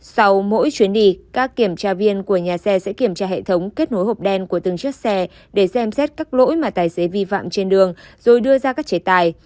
sau mỗi chuyến đi các kiểm tra viên của nhà xe sẽ kiểm tra hệ thống kết nối hộp đen của từng chiếc xe để xem xét các lỗi mà tài xế vi phạm trên đường rồi đưa ra các chế tài